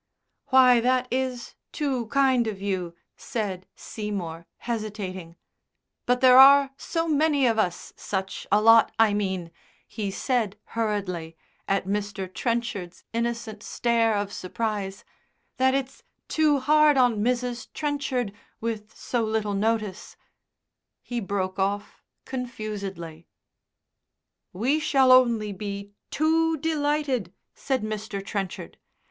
"Why, that is too kind of you," said Seymour, hesitating, "but there are so many of us, such a lot I mean," he said hurriedly, at Mr. Trenchard's innocent stare of surprise, "that it's too hard on Mrs. Trenchard, with so little notice." He broke off confusedly. "We shall only be too delighted," said Mr. Trenchard.